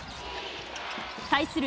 対する